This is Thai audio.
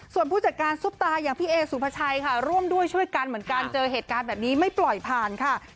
ส่วนผู้จัดการซุปตาอย่างพี่เอสุภาชัยค่ะร่วมด้วยช่วยกันเหมือนกันเจอเหตุการณ์แบบนี้ไม่ปล่อยผ่านค่ะ